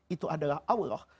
itu adalah allah